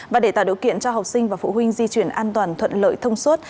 và để tạo điều kiện cho học sinh và phụ huynh di chuyển an toàn thuận lợi thông suốt